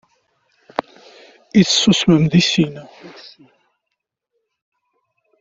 I tessusmem deg sin?